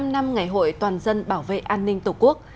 bảy mươi năm năm ngày hội toàn dân bảo vệ an ninh tổ quốc